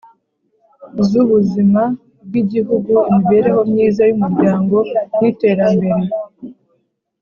z’ubuzima bw’igihugu, imibereho myiza y’umuryango n’iterambere